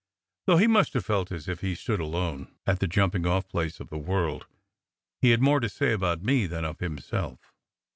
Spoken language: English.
Though he must have felt as if he stood alone, at the jump ing off place of the world, he had more to say about me than of himself.